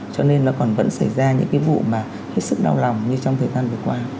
cho nên nó còn vẫn xảy ra những cái vụ mà hết sức đau lòng như trong thời gian vừa qua